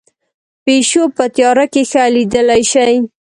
پیشو په تیاره کې ښه لیدلی شي